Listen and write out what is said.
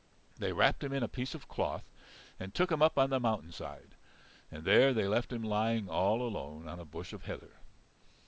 They wrapped him in a piece of cloth and took him up on the mountain side, and there they left him lying all alone on a bush of heather.